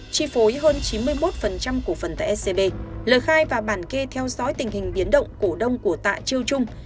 chi phối hơn chín mươi một cổ phần tại scb lời khai và bản kê theo dõi tình hình biến động cổ đông của tạ chiêu trung